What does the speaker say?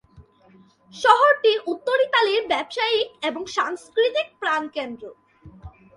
শহরটি উত্তর ইতালির ব্যবসায়িক এবং সাংস্কৃতিক প্রাণকেন্দ্র।